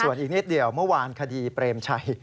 ส่วนอีกนิดเดียวเมื่อวานคดีเปรมชัย